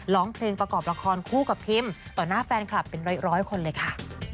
ร้องเพลงประกอบละครคู่กับพิมต่อหน้าแฟนคลับเป็นร้อยคนเลยค่ะ